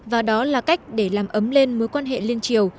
và đó là cách để làm ấm lên mối quan hệ liên triều